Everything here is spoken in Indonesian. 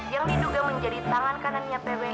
yang diduga menjadi tangan kanannya pw atas pembunuhan